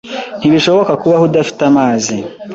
Ntibishoboka kubaho udafite amazi.